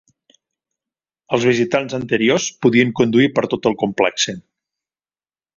Els visitants anteriors podien conduir per tot el complexe.